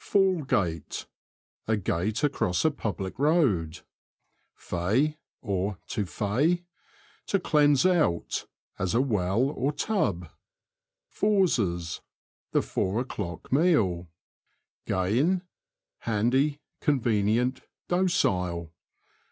Fall Gate. — A gate across a public road. Fey (to), or Feigh. — To cleanse out ; as a well or tub. FouRSES. — The four o'clock meal. Gain. — Handy, convenient, docile.